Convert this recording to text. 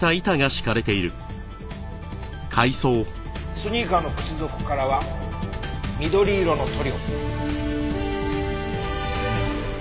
スニーカーの靴底からは緑色の塗料。